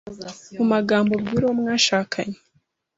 mu magambo ubwira uwo mwashakanye.